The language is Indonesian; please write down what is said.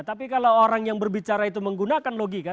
tapi kalau orang yang berbicara itu menggunakan logika